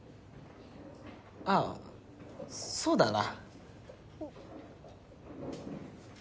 あぁそうだな。